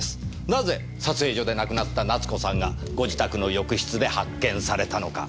なぜ撮影所で亡くなった奈津子さんがご自宅の浴室で発見されたのか。